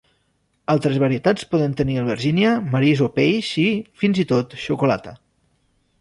Altres varietats poden tenir albergínia, marisc o peix i, fins i tot, xocolata.